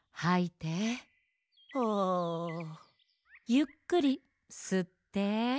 ゆっくりすって。